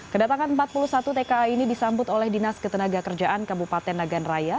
kedatangan empat puluh satu tka ini disambut oleh dinas ketenaga kerjaan kabupaten nagan raya